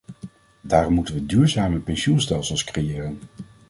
Daarom moeten we duurzame pensioenstelsels creëren.